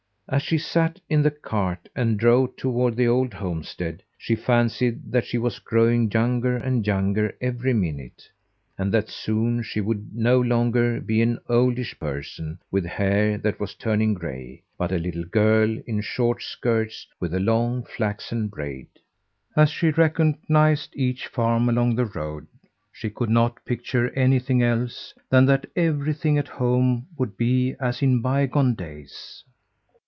As she sat in the cart and drove toward the old homestead she fancied that she was growing younger and younger every minute, and that soon she would no longer be an oldish person with hair that was turning gray, but a little girl in short skirts with a long flaxen braid. As she recognized each farm along the road, she could not picture anything else than that everything at home would be as in bygone days.